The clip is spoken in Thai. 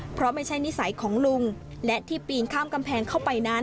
เพราะไม่ใช่นิสัยของลุงและที่ปีนข้ามกำแพงเข้าไปนั้น